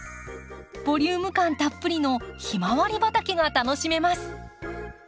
ボリューム感たっぷりのヒマワリ畑が楽しめます。